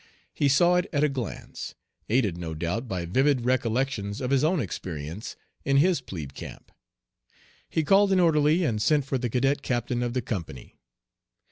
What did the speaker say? He saw it at a glance, aided no doubt by vivid recollections of his own experience in his plebe camp. He called an orderly and sent for the cadet captain of the company.